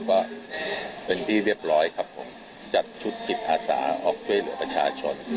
ก็เป็นที่เรียบร้อยครับผมจัดชุดจิตอาสาออกช่วยเหลือประชาชน